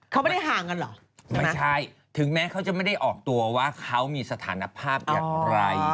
เขาไม่ได้ห่างกันเหรอไม่ใช่ถึงแม้เขาจะไม่ได้ออกตัวว่าเขามีสถานภาพอย่างไร